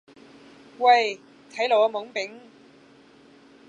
喂睇路呀懵丙